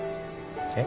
えっ？